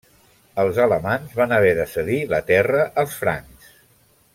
Els alamans van haver de cedir la terra als francs.